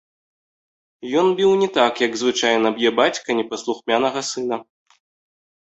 Ён біў не так, як звычайна б'е бацька непаслухмянага сына.